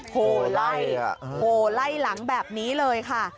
โหไล่โหไล่หลังแบบนี้เลยค่ะ